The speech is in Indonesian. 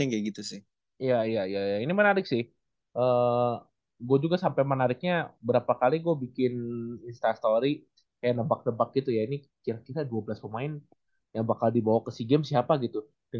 kurang lebih sama gitu